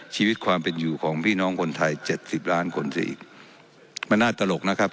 ชีวิตความเป็นอยู่ของพี่น้องคนไทยเจ็ดสิบล้านคนเสียอีกมันน่าตลกนะครับ